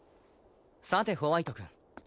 さてホワイト君